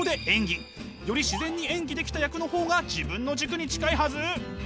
より自然に演技できた役の方が自分の軸に近いはず！